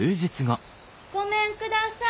ごめんください！